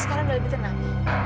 sekarang udah lebih tenang